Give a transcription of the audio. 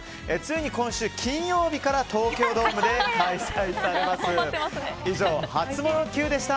今週金曜日から東京ドームで開催されます。